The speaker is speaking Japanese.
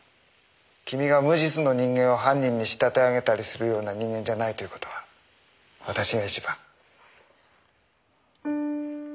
君が無実の人間を犯人に仕立て上げたりするような人間じゃないという事は私が一番。